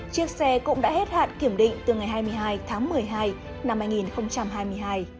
chiếc xe cũng đã hết hạn kiểm định từ ngày hai mươi hai tháng một mươi hai năm hai nghìn hai mươi hai